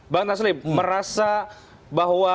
bang taslim merasa bahwa